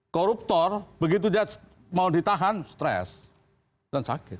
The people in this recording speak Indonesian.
koruptor begitu dia mau ditahan stres dan sakit